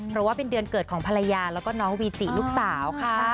เพราะว่าเป็นเดือนเกิดของภรรยาแล้วก็น้องวีจิลูกสาวค่ะ